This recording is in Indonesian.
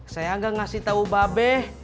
saya gak ngasih tau babeh